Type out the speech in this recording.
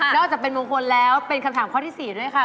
อกจากเป็นมงคลแล้วเป็นคำถามข้อที่๔ด้วยค่ะ